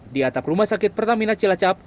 di atap rumah sakit pertamina cilacap